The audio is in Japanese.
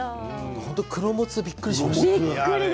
本当に黒モツ、びっくりしました。